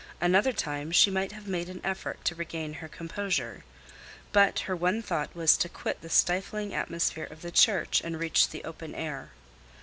Another time she might have made an effort to regain her composure; but her one thought was to quit the stifling atmosphere of the church and reach the open air.